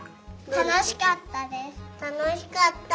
たのしかった。